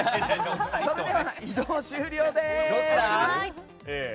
それでは移動終了です。